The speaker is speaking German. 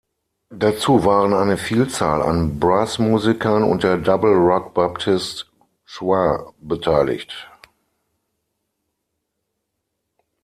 Dazu waren eine Vielzahl an Brass-Musikern und der Double Rock Baptist Choir beteiligt.